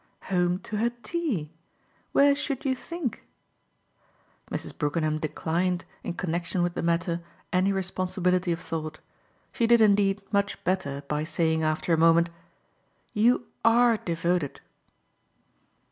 "Home to her tea. Where should you think?" Mrs. Brookenham declined, in connexion with the matter, any responsibility of thought; she did indeed much better by saying after a moment: "You ARE devoted!"